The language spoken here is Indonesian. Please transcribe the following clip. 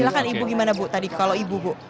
silahkan ibu gimana bu tadi kalau ibu bu